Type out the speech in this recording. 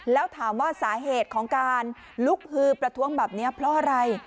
แล้วถามว่าสาเหตุของการลุกฮือประท้วงแบบนี้เพราะอะไร